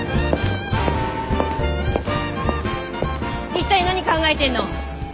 一体何考えてんの！？